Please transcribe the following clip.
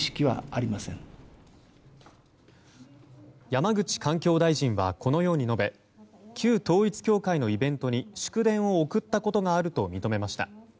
山口環境大臣はこのように述べ旧統一教会のイベントに祝電を送ったことがあると認めました。